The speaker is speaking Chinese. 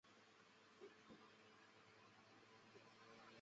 香港太空馆天文公园全天候开放。